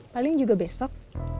paling juga besok